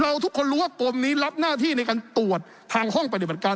ทุกคนรู้ว่ากรมนี้รับหน้าที่ในการตรวจทางห้องปฏิบัติการ